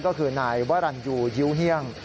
ก็คือนายวรรณยูยิ้วเฮี่ยง